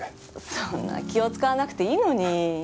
そんな気を遣わなくていいのに。